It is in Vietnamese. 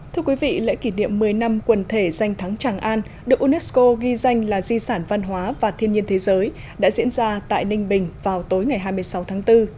thưa quý vị lễ kỷ niệm một mươi năm quần thể danh thắng tràng an được unesco ghi danh là di sản văn hóa và thiên nhiên thế giới đã diễn ra tại ninh bình vào tối ngày hai mươi sáu tháng bốn